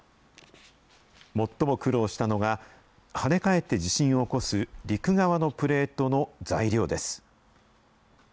最も苦労したのが、跳ね返って地震を起こす陸側のプレートの材料です。